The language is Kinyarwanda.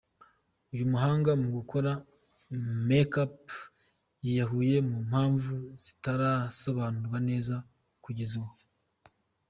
Uyu muhanga mu gukora makeup, yiyahuye ku mpamvu zitarasobanurwa neza kugeza ubu.